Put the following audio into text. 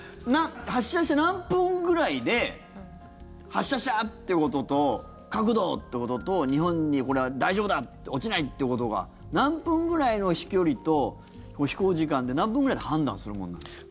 発射して何分ぐらいで発射したということと角度ということと日本にこれは大丈夫だ落ちないということが何分ぐらいの飛距離と飛行時間で何分ぐらいで判断するものなんですか？